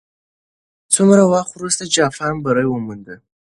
څومره وخت وروسته جاپان بری وموند؟